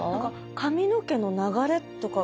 髪の毛の流れとかが。